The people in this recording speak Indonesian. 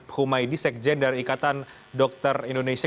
dr m adib humaydi sekjen dari ikatan dokter indonesia